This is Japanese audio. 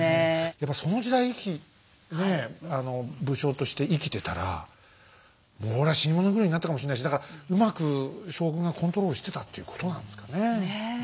やっぱその時代武将として生きてたらもう俺は死に物狂いになったかもしれないしだからうまく将軍がコントロールしてたっていうことなんですかね。